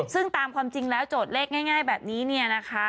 ซึ่งตามความจริงแล้วโจทย์เลขง่ายแบบนี้เนี่ยนะคะ